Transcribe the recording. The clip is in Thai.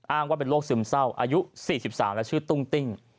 อ้างว่าเป็นโรคซึมเศร้าอายุ๔๓และชื่อตุ้งติ้ง